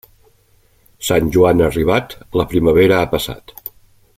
Sant Joan arribat, la primavera ha passat.